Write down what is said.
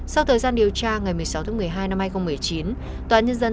sau thời gian điều tra ngày một mươi sáu tháng một mươi hai năm hai nghìn một mươi chín